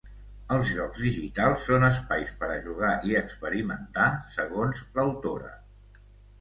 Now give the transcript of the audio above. Els jocs digitals són espais per a jugar i experimentar, segons l'autora.